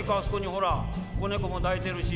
ほら子猫も抱いてるし。